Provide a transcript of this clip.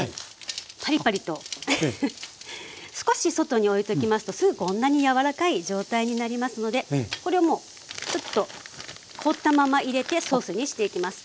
パリパリと少し外に置いときますとすぐこんなに柔らかい状態になりますのでこれをもうスッと凍ったまま入れてソースにしていきます。